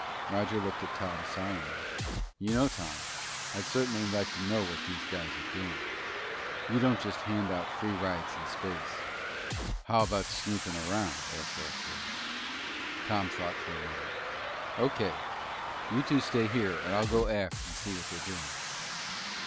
Roger looked at Tom solemnly. "You know, Tom, I'd certainly like to know what those guys are doing. You just don't hand out free rides in space." "How about snooping around?" asked Astro. Tom thought a moment. "O.K. You two stay here. I'll go aft and see what they're doing."